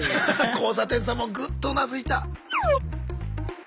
交差点さんもぐっとうなずいた。